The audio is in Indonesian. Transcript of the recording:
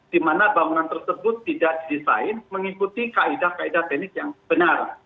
di mana bangunan tersebut tidak didesain mengikuti kaedah kaedah teknik yang benar